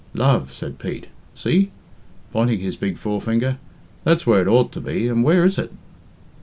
"Love," said Pete. "See," pointing his big forefinger, "that's where it ought to be, and where is it?"